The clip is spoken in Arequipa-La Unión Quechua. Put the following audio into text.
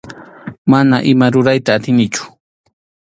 Mana ima rurayta atinichu.